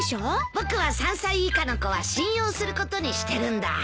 僕は３歳以下の子は信用することにしてるんだ。